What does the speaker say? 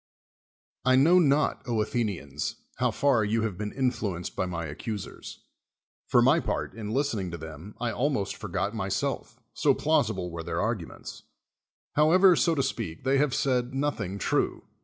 I KNOW not, Athenians, how far you have been influenced by my accusers ; for my part, in listening to them I almost forgot myself, so plausible were their arguments; however, so to speak, they have said nothing true.